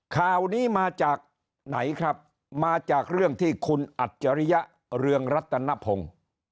ข่าวนี้มาจากไหนครับมาจากเรื่องที่คุณอัจฉริยะเรืองรัตนพงศ์